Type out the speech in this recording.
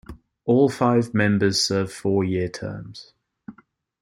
All five members serve four year terms.